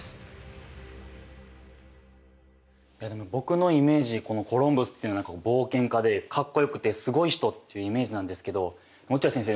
いやでも僕のイメージこのコロンブスっていうのは冒険家でかっこよくてすごい人っていうイメージなんですけど落合先生